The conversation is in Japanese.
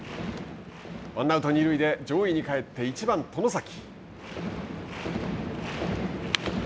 ワンアウト、二塁で上位にかえって１番外崎。